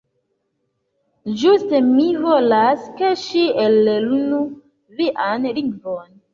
Ĝuste, mi volas, ke ŝi ellernu vian lingvon.